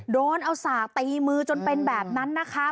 โดนเอาสากตีมือจนเป็นแบบนั้นนะคะ